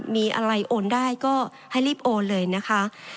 มีอะไรโอนได้ก็ให้รีบโอนเลยนะคะ